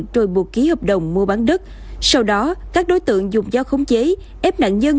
rồi buộc ký hợp đồng mua bán đất sau đó các đối tượng dùng dao khống chế ép nạn nhân